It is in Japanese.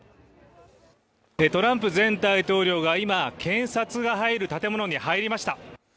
トランプ前大統領が今、検察が入る建物に入りました。